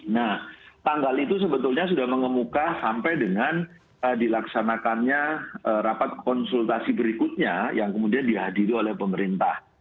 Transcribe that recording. nah tanggal itu sebetulnya sudah mengemuka sampai dengan dilaksanakannya rapat konsultasi berikutnya yang kemudian dihadiri oleh pemerintah